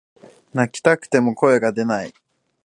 泣きたくても声が出ない